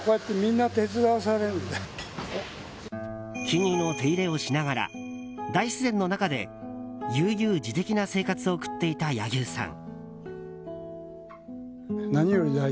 木々の手入れをしながら大自然の中で悠々自適な生活を送っていた柳生さん。